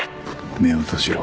目を閉じろ